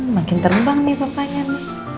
makin terbang nih papanya nih